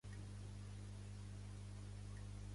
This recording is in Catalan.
Posa la cançó "El boig de la ciutat" que m'agrada